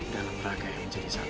dalam rangka yang menjadi satu